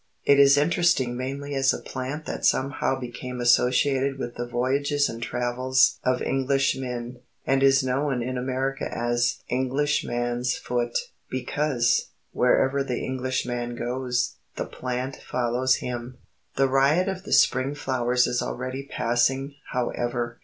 It is interesting mainly as a plant that somehow became associated with the voyages and travels of Englishmen, and is known in America as "Englishman's foot," because, wherever the Englishman goes, the plant follows him. The riot of the spring flowers is already passing, however.